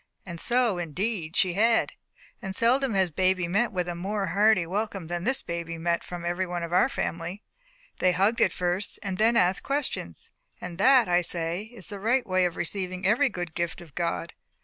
And so, indeed, she had. And seldom has baby met with a more hearty welcome than this baby met with from everyone of our family. They hugged it first, and then asked questions. And that, I say, is the right way of receiving every good gift of God.